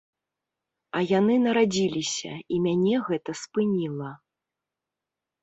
А яны нарадзіліся, і мяне гэта спыніла.